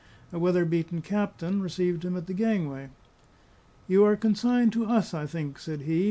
A weather beaten captain received him at the gangway. "You are consigned to us, I think," said he.